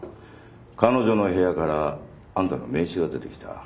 彼女の部屋からあんたの名刺が出てきた。